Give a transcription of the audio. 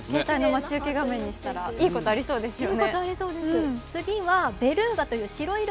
待ち受け画面にしたらいいことがありそうですね。